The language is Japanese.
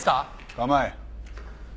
構え。